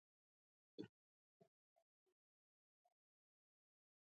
هغه په خاپوړو کې یو عجیب خندا کړې وه